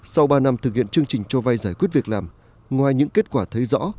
sau ba năm thực hiện chương trình cho vay giải quyết việc làm ngoài những kết quả thấy rõ